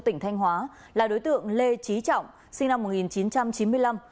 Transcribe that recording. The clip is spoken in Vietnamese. tỉnh thanh hóa là đối tượng lê trí trọng sinh năm một nghìn chín trăm chín mươi năm